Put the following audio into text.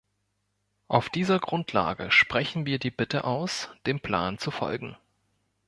Auf dieser Grundlage sprechen wir die Bitte aus, dem Plan zu folgen.